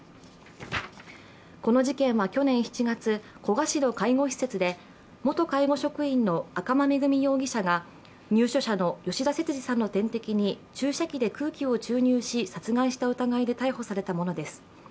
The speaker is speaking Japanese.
この事件は去年７月、古河市の介護施設で元介護職員の赤間恵美容疑者が入所者の吉田節次さんの点滴に注射器で空気を注入し殺害した疑いで逮捕されたものです。